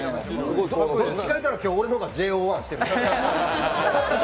どっちか言うたら今日、俺のほうがＪＯ１してるで。